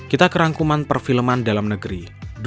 kita kerangkuman perfilman dalam negeri